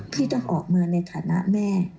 พี่ต้องออกมาในฐานะแม่